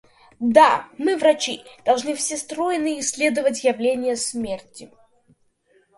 Да, мы, врачи, должны всесторонне исследовать явление смерти.